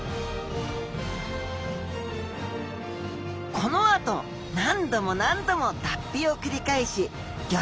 このあと何度も何度も脱皮を繰り返しギョ